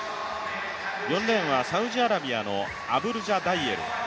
４レーンはサウジアラビアのアブルジャダイェル。